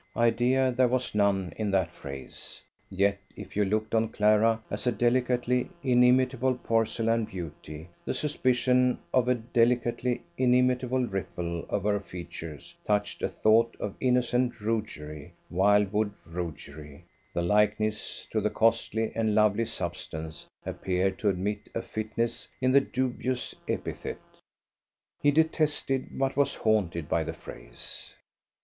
Idea there was none in that phrase; yet, if you looked on Clara as a delicately inimitable porcelain beauty, the suspicion of a delicately inimitable ripple over her features touched a thought of innocent roguery, wildwood roguery; the likeness to the costly and lovely substance appeared to admit a fitness in the dubious epithet. He detested but was haunted by the phrase.